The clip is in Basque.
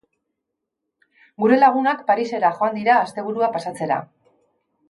Gure lagunak Parisera joan dira asteburua pasatzera